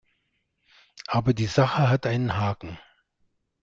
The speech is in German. Aber die Sache hat einen Haken.